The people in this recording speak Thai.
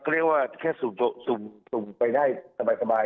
ไปเรื่อยก็เรียกว่าสูงไปได้สบายครับ